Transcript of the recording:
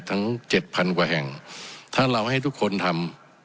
ทั้งเจ็ดพันกว่าแห่งถ้าเราให้ทุกคนทำ